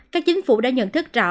các chính phủ đã nhận thức rõ